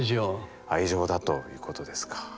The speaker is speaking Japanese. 愛情だということですか。